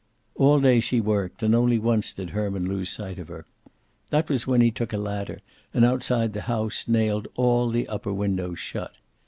All day she worked, and only once did Herman lose sight of her. That was when he took a ladder, and outside the house nailed all the upper windows shut.